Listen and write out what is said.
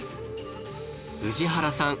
宇治原さん